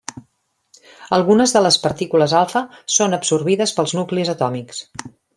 Algunes de les partícules alfa són absorbides pels nuclis atòmics.